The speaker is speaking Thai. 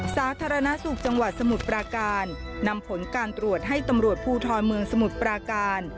สาธารณสุขจังหวัดสมุทรปราการนำผลการตรวจให้ตำรวจภูทรเมืองสมุทรปราการ